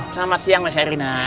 selamat siang mas erina